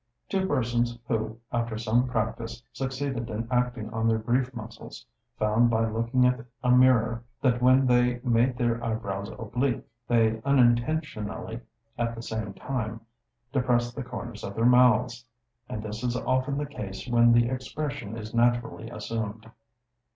Two persons who, after some practice, succeeded in acting on their grief muscles, found by looking at a mirror that when they made their eyebrows oblique, they unintentionally at the same time depressed the corners of their mouths; and this is often the case when the expression is naturally assumed.